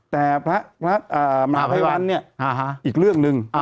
แต่พระพระอ่ามหาพระไพรวัลเนี้ยอ่าฮะอีกเรื่องหนึ่ง